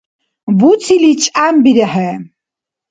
Буцили чӀямбирехӀе!